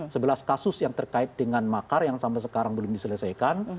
sebelas kasus yang terkait dengan makar yang sampai sekarang belum diselesaikan